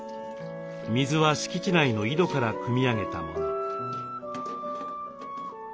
水は敷地内の井戸からくみ上げたもの。